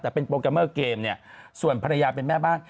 แต่เป็นโปรแกรมเมอร์เกมเนี่ยส่วนภรรยาเป็นแม่บ้าน